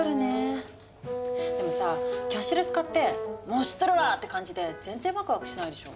でもさキャッシュレス化って「もう知っとるわ！」って感じで全然ワクワクしないでしょ。